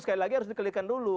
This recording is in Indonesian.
sekali lagi harus dikelikan dulu